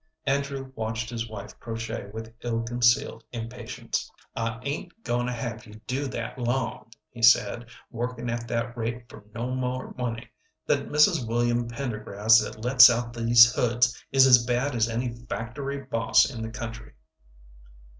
Andrew watched his wife crochet with ill concealed impatience. "I ain't goin' to have you do that long," he said "workin' at that rate for no more money. That Mrs. William Pendergrass that lets out these hoods is as bad as any factory boss in the country."